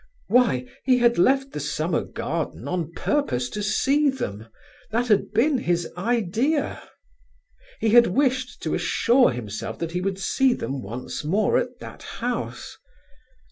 Why, he had left the Summer Garden on purpose to see them; that had been his "idea." He had wished to assure himself that he would see them once more at that house.